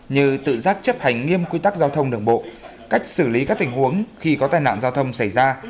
như tự giác chấp hành nghiêm quy tắc giao thông đường bộ cách xử lý các tình huống khi có tai nạn giao thông xảy ra